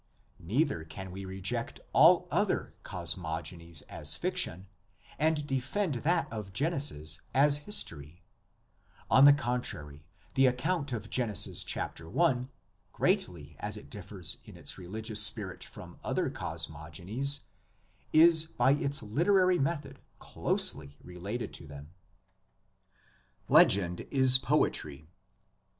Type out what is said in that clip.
Neither can we reject all other cosmogonies as fiction and defend that of Genesis as history; on the contrary the account of Genesis i., greatly as it differs in its religious spirit from other cosmogonies, is by its literary method closely related to them. LEGEND IS POETRY.